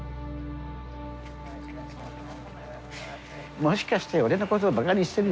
もしかして俺のことバカにしてるんじゃないの？